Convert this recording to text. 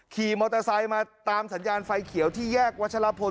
ขี่มอเตอร์ไซค์มาตามสัญญาณไฟเขียวที่แยกวัชลพล